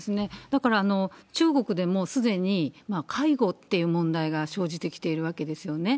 だから、中国でもうすでに介護っていう問題が生じてきているわけですよね。